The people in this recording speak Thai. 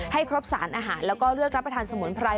ให้ครบสารอาหารแล้วก็เลือกรับประทานสมุนไพร